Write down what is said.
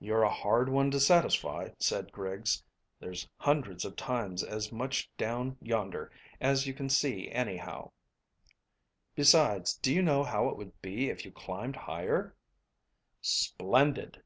"You're a hard one to satisfy," said Griggs. "There's hundreds of times as much down yonder as you can see anyhow. Besides, do you know how it would be if you climbed higher?" "Splendid."